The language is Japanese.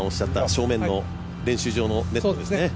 正面の練習場のネットですね。